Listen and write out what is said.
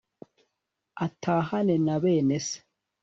atahane na bene se